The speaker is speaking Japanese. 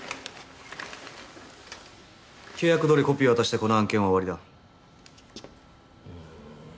契約どおりコピー渡してこの案件は終わりだ。